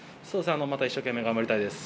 また一生懸命頑張りたいです。